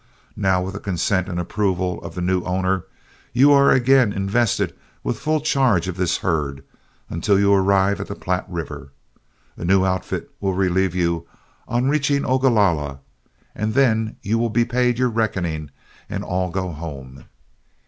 Now, with the consent and approval of the new owner, you are again invested with full charge of this herd until you arrive at the Platte River. A new outfit will relieve you on reaching Ogalalla, and then you will be paid your reckoning and all go home.